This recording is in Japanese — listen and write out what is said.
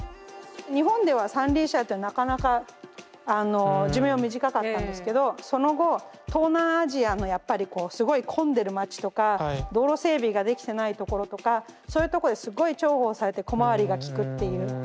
日本では三輪車ってなかなか寿命短かったんですけどその後東南アジアのやっぱりこうすごい混んでる街とか道路整備ができてないところとかそういうとこですごい重宝されて小回りが利くっていう。